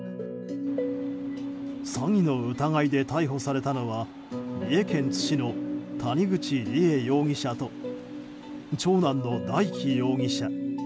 詐欺の疑いで逮捕されたのは三重県津市の谷口梨恵容疑者と長男の大祈容疑者。